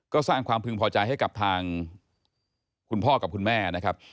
ก็สร้างความพึงพอใจให้กับทางคุณพ่อกับคุณแม่นะครับ